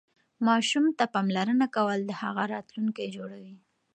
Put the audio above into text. ماسوم ته پاملرنه کول د هغه راتلونکی جوړوي.